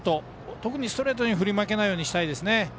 特にストレートに振り負けないようにしたいですね。